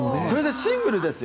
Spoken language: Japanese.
シングルですよ。